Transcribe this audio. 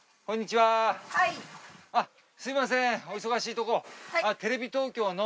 はい。